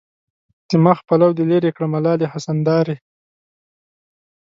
د مخ پلو دې لېري کړه ملالې حسن دارې